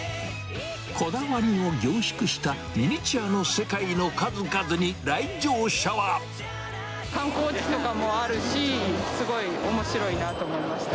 こだわりを凝縮したミニチュ観光地とかもあるし、すごいおもしろいなと思いました。